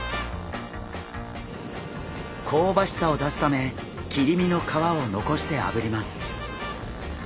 こうばしさを出すため切り身の皮を残してあぶります。